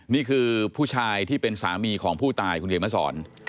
นี่คือผู้ชายที่เป็นสามีของผู้ตายคุณเขียนมาสอน